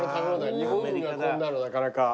日本にはこんなのなかなか。